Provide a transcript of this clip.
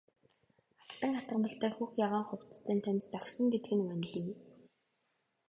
Алтан хатгамалтай хөх ягаан хувцас тань танд зохисон гэдэг нь ванлий!